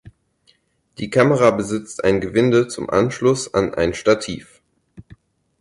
Die Kamera besitzt ein Gewinde zum Anschluss an ein Stativ.